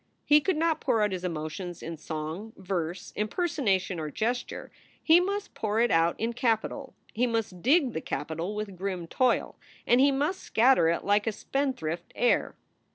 He could not pour out his emotions in song, verse, impersonation, or gesture; he must pour it out in capital. He must dig the capital with grim toil, and he must scatter it like a spendthrift heir.